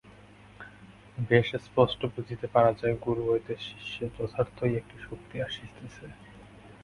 বেশ স্পষ্ট বুঝিতে পারা যায়, গুরু হইতে শিষ্যে যথার্থই একটি শক্তি আসিতেছে।